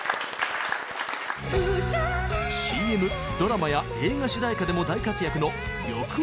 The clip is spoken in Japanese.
ＣＭドラマや映画主題歌でも大活躍の緑黄色社会。